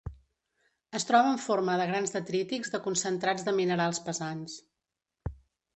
Es troba en forma de grans detrítics de concentrats de minerals pesants.